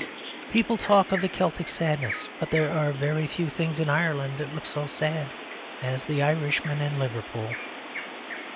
People talk of the Celtic sadness; but there are very few things in Ireland that look so sad as the Irishman in Liverpool.